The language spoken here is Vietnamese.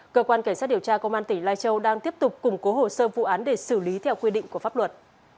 cơ quan cảnh sát điều tra công an tỉnh lai châu đang tiếp tục củng cố hồ sơ vụ án để xử lý theo quy định của pháp luật